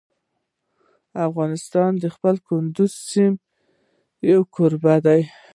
افغانستان د خپل کندز سیند یو کوربه دی.